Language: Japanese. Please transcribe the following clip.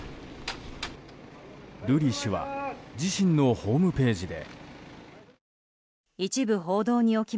瑠麗氏は自身のホームページで。